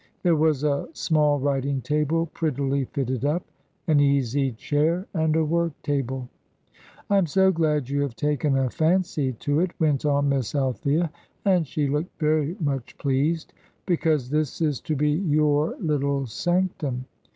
There was a small writing table prettily fitted up, an easy chair, and a work table. "I am so glad you have taken a fancy to it," went on Miss Althea and she looked very much pleased "because this is to be your little sanctum.